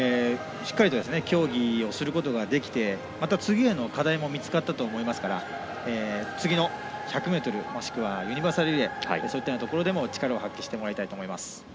しっかりと競技をすることができてまた次への課題も見つかったと思いますから次の１００ｍもしくはユニバーサルリレーそういったところでも力を発揮していただきたいです。